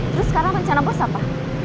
terus sekarang rencana bos apa